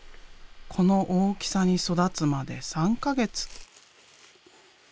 この大きさに育つまで３か月。